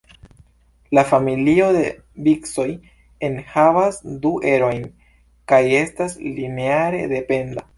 La "familio" de vicoj enhavas du erojn kaj estas lineare dependa.